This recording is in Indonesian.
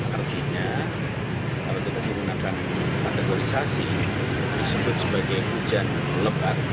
artinya kalau kita menggunakan kategorisasi disebut sebagai hujan lebat